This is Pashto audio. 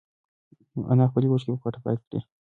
انا خپلې اوښکې په پټه پاکې کړې.